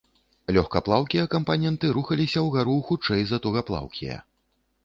Легкаплаўкія кампаненты рухаліся ўгару хутчэй за тугаплаўкія.